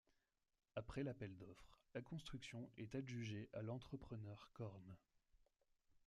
Après l'appel d'offres, la construction est adjugée à l'entrepreneur Corne.